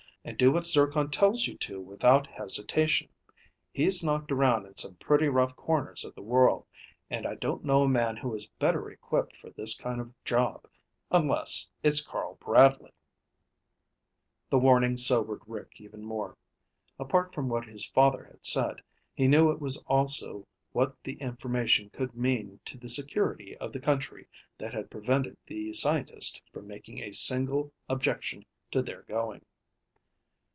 And do what Zircon tells you to without hesitation. He's knocked around in some pretty rough corners of the world, and I don't know a man who is better equipped for this kind of job, unless it's Carl Bradley." The warning sobered Rick even more. Apart from what his father had said, he knew it was also what the information could mean to the security of the country that had prevented the scientist from making a single objection to their going.